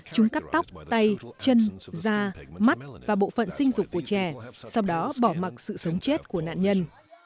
chúng cắt tóc tay chân da mắt và bộ phận sinh dục của trẻ sau đó bỏ mặt sự sống chết của nạn nhân